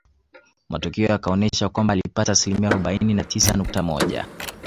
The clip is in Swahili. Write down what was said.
Matokeo yakaonesha kwamba alipata asilimia arobaini na tisa nukta moja